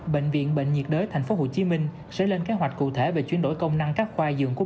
bệnh viện bệnh nhiệt đới tp hcm sẽ lên kế hoạch cụ thể về chuyển đổi công năng các khoa dường của